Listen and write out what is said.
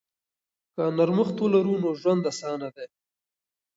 که نرمښت ولرو نو ژوند اسانه دی.